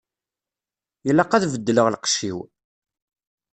Ilaq ad beddleɣ lqecc-iw.